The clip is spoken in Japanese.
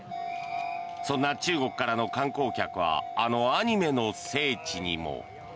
そんな中国からの観光客はあのアニメの聖地にも。